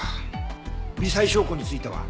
微細証拠については？